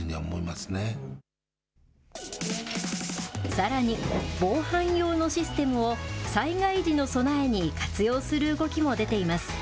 さらに、防犯用のシステムを災害時の備えに活用する動きも出ています。